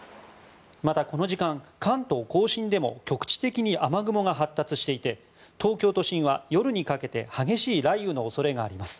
またこの時間、関東・甲信でも局地的に雨雲が発達していて東京都心は夜にかけて激しい雷雨の恐れがあります。